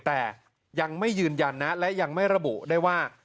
แต่ยังไม่ยืนยันนะและยังไม่ระบุได้ว่า